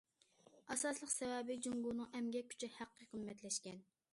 ئاساسلىق سەۋەبى- جۇڭگونىڭ ئەمگەك كۈچى ھەققى قىممەتلەشكەن.